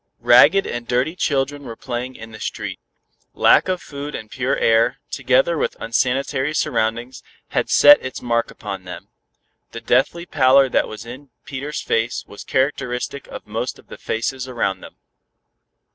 Ragged and dirty children were playing in the street. Lack of food and pure air, together with unsanitary surroundings, had set its mark upon them. The deathly pallor that was in Peter's face was characteristic of most of the faces around them.